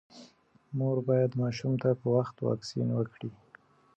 مور باید ماشوم ته په وخت واکسین وکړي۔